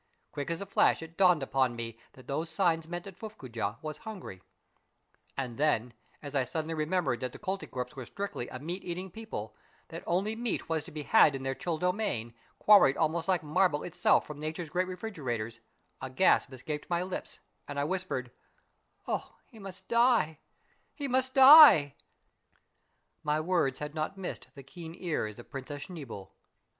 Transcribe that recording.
Quick as a flash it dawned upon me that these signs meant that F uflfcoojah was hungry } And then, as I suddenly remembered that the Koltykwerps were strictly a meaGeating people, that only meat was to be had in their chill domain, quarried almost like marble itself from nature's great refrigerators, a gasp escaped my lips, and I whispered, —" Oh, he must die ! He must die !" My words had not miss ed the keen ears of Princess Schneeboule.